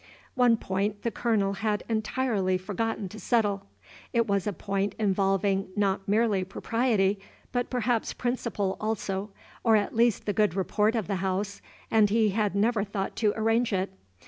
One point the Colonel had entirely forgotten to settle. It was a point involving not merely propriety, but perhaps principle also, or at least the good report of the house, and he had never thought to arrange it.